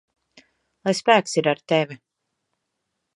Lai spēks ir ar tevi!